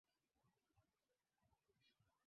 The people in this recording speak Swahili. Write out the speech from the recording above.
Kulikuwa na baridi asubuhi